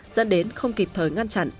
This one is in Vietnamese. dẫn đến không kịp thời ngăn chặn